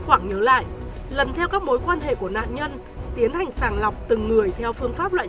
quảng nhớ lại lần theo các mối quan hệ của nạn nhân tiến hành sàng lọc từng người theo phương pháp loại